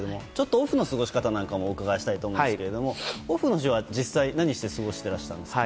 オフの過ごし方なんかもお伺いしたいと思うんですけれどオフの日は実際、何して過ごしてらしたんですか？